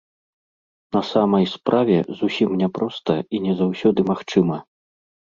На самай справе, зусім няпроста і не заўсёды магчыма.